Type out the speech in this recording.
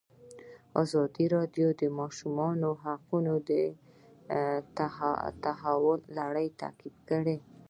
ازادي راډیو د د ماشومانو حقونه د تحول لړۍ تعقیب کړې.